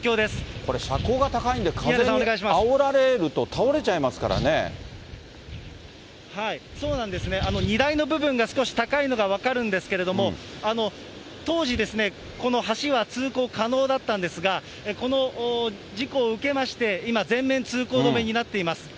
これ、車高が高いんで、風にあおられると、そうなんですね、荷台の部分が少し高いのが分かるんですけれども、当時、この橋は通行可能だったんですが、この事故を受けまして、今、全面通行止めになっています。